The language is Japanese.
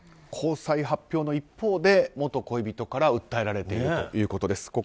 交際発表の一方で元恋人から訴えられているということです。